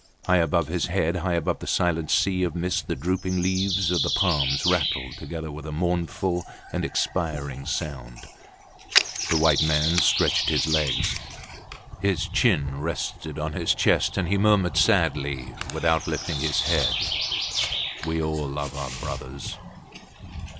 High above his head, high above the silent sea of mist the drooping leaves of the palms rattled together with a mournful and expiring sound. The white man stretched his legs. His chin rested on his chest, and he murmured sadly without lifting his head We all love our brothers.